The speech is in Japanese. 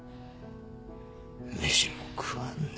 飯も食わんで。